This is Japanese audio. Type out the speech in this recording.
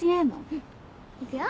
うんいくよ？